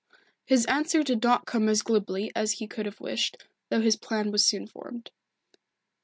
His answer did not come as glibly as he could have wished, though his plan was soon formed.